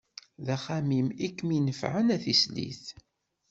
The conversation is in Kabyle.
D axxam-im i kem-inefεen, a tislit.